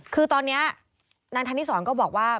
คือตอนนี้นางธนิสรก็บอกว่า